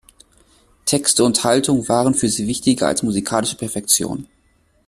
Texte und Haltung waren für sie wichtiger als musikalische Perfektion.